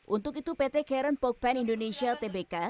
untuk itu pt carumpok pan indonesia tbk